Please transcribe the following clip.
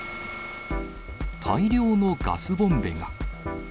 大量のガスボンベが。